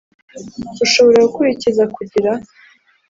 ushobora gukurikiza kugira